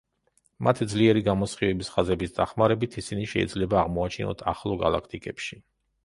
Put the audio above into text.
მათი ძლიერი გამოსხივების ხაზების დახმარებით, ისინი შეიძლება აღმოვაჩინოთ ახლო გალაქტიკებში.